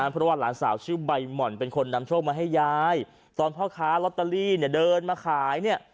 เพราะว่าหลานสาวชื่อใบหม่อนเป็นคนนำโชคมาให้ยายตอนพ่อค้าลอตเตอรี่เนี่ยเดินมาขายเนี่ย